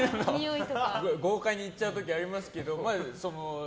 豪快にいっちゃう時ありますけど。